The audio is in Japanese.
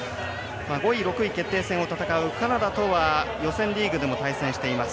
５位６位決定戦を戦うカナダとは、予選リーグでも対戦しています。